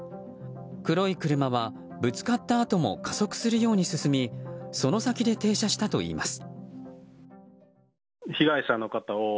黒い車はぶつかったあとも加速するように進みその先で停車したといいます。